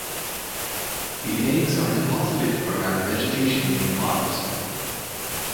The eggs are deposited around vegetation in ponds.